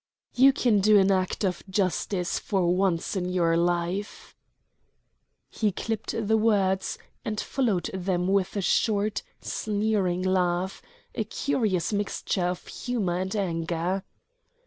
"You can do an act of justice for once in your life." He clipped the words, and followed them with a short, sneering laugh, a curious mixture of humor and anger.